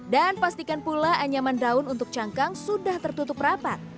dan pastikan pula anyaman daun untuk cangkang sudah tertutup rapat